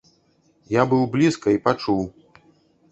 Я быў блізка і пачуў.